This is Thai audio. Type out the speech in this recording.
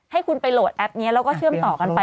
ให้คุณไปโหลดแอปนี้แล้วก็เชื่อมต่อกันไป